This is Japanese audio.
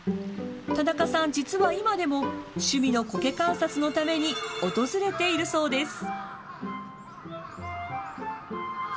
田中さん、実は今でも趣味の、コケ観察のために訪れているそうです。